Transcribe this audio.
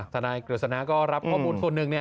นายกฤษณะก็รับข้อมูลส่วนหนึ่ง